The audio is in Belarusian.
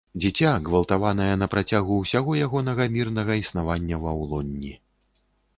Дзіця, ґвалтаванае напрацягу ўсяго ягоннага мірнага існавання ва ўлонні.